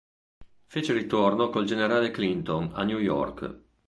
Fece ritorno col generale Clinton a New York.